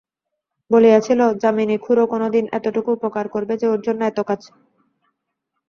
বলিয়াছিল, যামিনী খুড়ো কোনোদিন এতটুকু উপকার করবে যে ওর জন্য এত কছ?